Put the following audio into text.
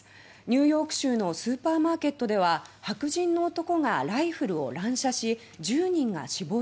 ニューヨーク州のスーパーマーケットでは白人の男がライフルを乱射し１０人が死亡しました。